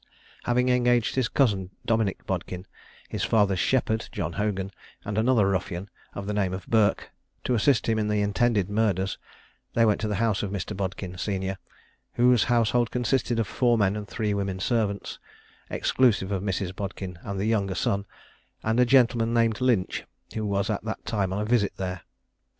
Having engaged his cousin, Dominick Bodkin, his father's shepherd, John Hogan, and another ruffian of the name of Burke, to assist him in the intended murders, they went to the house of Mr. Bodkin, senior; whose household consisted of four men and three women servants, exclusive of Mrs. Bodkin and the younger son, and a gentleman named Lynch, who was at that time on a visit there.